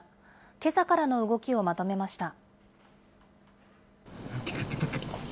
けさからの動きをまとめました。